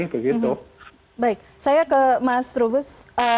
baik saya ke mas trubus